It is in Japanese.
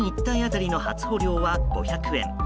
１体当たりの初穂料は５００円。